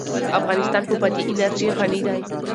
افغانستان په بادي انرژي غني دی.